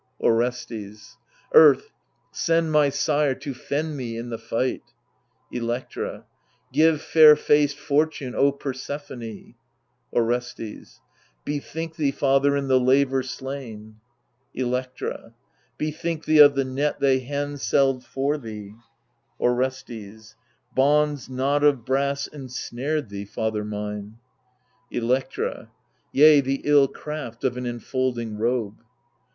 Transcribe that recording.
Orestes Earth, send my sire to fend me in the fight I Electra Give fair faced fortune, O Persephone I Orestes Bethink thee, father, in the laver slain Electra Bethink thee of the net they handselled for thee I Orestes Bonds not of brass ensnared thee, father mine. Electra Yea, the ill craft of an enfolding robe.